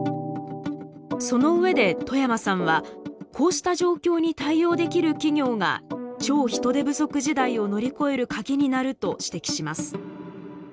そのうえで冨山さんはこうした状況に対応できる企業が「超・人手不足時代」を乗り越えるカギになると指摘します。